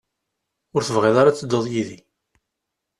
Ur tebɣiḍ ara ad tedduḍ yid-i.